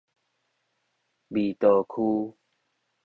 彌陀區